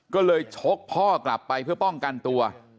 ก็เลยชกพ่อกลับไปเพื่อป้องกันตัว